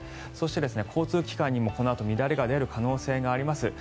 そして交通機関にもこのあと乱れが出る可能性があります。